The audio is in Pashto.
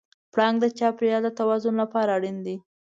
پړانګ د چاپېریال د توازن لپاره اړین دی.